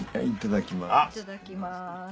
いただきます。